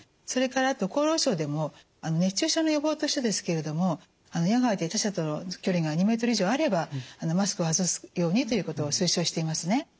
それからあと厚労省でも熱中症の予防としてですけれども野外で他者との距離が２ｍ以上あればマスクを外すようにということを推奨していますね。